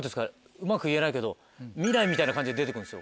うまく言えないけど未来みたいな感じで出て来るんですよ。